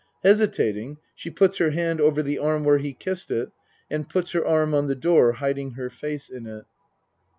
Hesitating she puts her hand over the arm where he kissed it and puts her arm on the door hiding her face in it.)